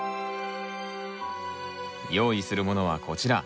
用意するものはこちら。